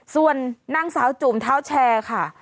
ส่วนนางสาวจุ่มเท้าแชร์ค่ะ